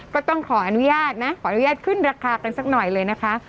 ก็ต้องขออนุญาตนะขออนุญาตขึ้นราคากันสักหน่อยเลยนะคะ